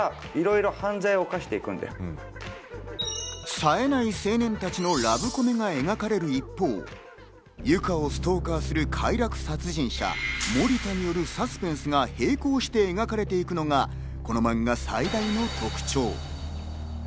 さえない青年たちのラブコメが描かれる一方、ユカをストーカーする快楽殺人者・森田によるサスペンスが並行して描かれていくのがこのマンガ、最大の特徴。